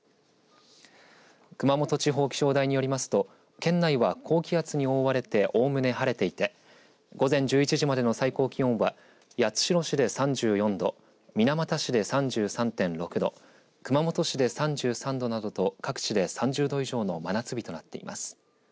熊本地方気象台によりますと県内は、高気圧に覆われておおむね晴れていて午前１１時までの最高気温は八代市で３４度水俣市で３３．６度熊本市で３３度などと各地で３０度以上の真夏日となっています。